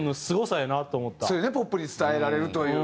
そうやねポップに伝えられるという。